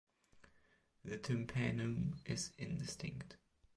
The tympanum is indistinct.